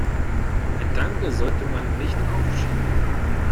Ein Danke sollte man nicht aufschieben.